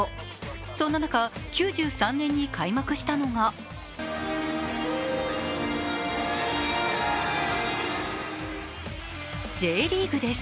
そんな中、９３年に開幕したのがＪリーグです。